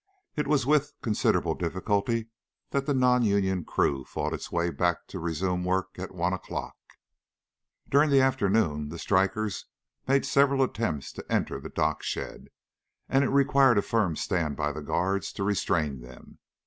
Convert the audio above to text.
It was with considerable difficulty that the non union crew fought its way back to resume work at one o'clock. During the afternoon the strikers made several attempts to enter the dock shed, and it required a firm stand by the guards to restrain them.